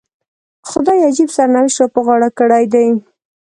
خدای عجیب سرنوشت را په غاړه کړی دی.